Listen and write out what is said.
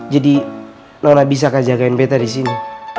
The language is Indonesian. jadi nona bisa kajagain betta di sini